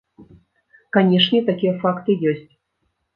Канешне, такія факты ёсць.